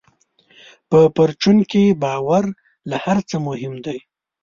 په پرچون کې باور له هر څه مهم دی.